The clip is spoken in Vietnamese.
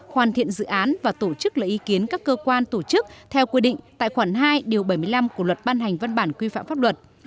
hoàn thiện dự án và tổ chức lấy ý kiến các cơ quan tổ chức theo quy định tại khoản hai điều bảy mươi năm của luật ban hành văn bản quy phạm pháp luật